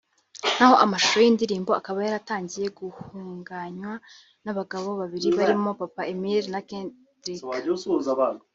naho amashusho y’iyi ndirimbo akaba yaratangiye gutunganywa n’abagabo babiri barimo Papa Emile na Kedrick